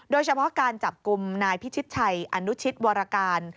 โดยเฉพาะการจับกลุ่มนายพิชิตชัยอนุชิตวรการ